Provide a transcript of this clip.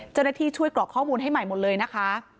เจ้าหน้าที่ช่วยกรอกข้อมูลให้ใหม่หมดเลยนะคะ